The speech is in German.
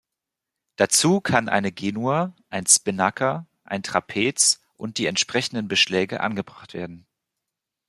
Dazu kann eine Genua, ein Spinnaker, ein Trapez und die entsprechenden Beschläge angebracht werden.